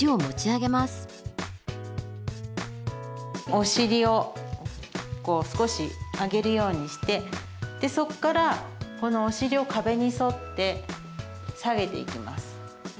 お尻をこう少し上げるようにしてそこからこのお尻を壁に沿って下げていきます。